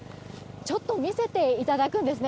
ちょっと見せていただきます。